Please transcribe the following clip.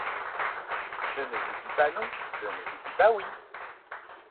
Je ne vous dis pas non, je ne vous dis pas oui…